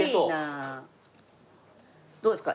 どうですか？